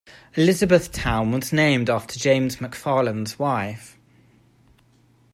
Elizabethtown was named after James McFarland's wife.